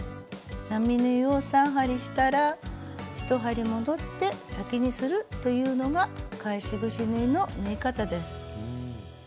並縫いを３針したら１針戻って先にするというのが返しぐし縫いの縫い方です。